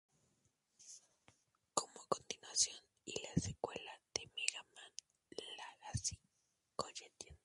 Como continuación y la secuela de Mega Man Legacy Collection.